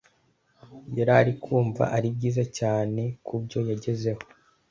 yarari kumva ari byiza cyane kubyo yagezeho